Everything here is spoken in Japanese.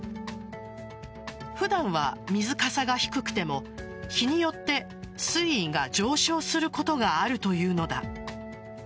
普段は水かさが低くても日によって水位が上昇することがあるというのだ。